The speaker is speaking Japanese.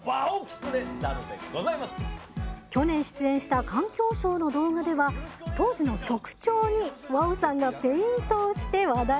去年出演した環境省の動画では当時の局長にＷｏＷさんがペイントをして話題になりました